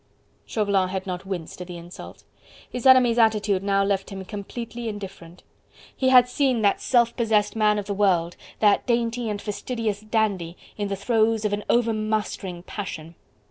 Chauvelin had not winced at the insult. His enemy's attitude now left him completely indifferent. He had seen that self possessed man of the world, that dainty and fastidious dandy, in the throes of an overmastering passion.